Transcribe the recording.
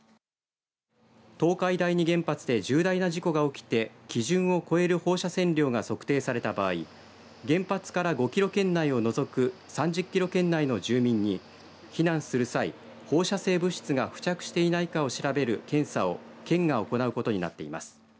東海第二原発で重大な事故が起きて基準を超える放射線量が測定された場合原発から５キロ圏内を除く３０キロ圏内の住民に避難する際放射性物質が付着していないかを調べる検査を県が行うことになっています。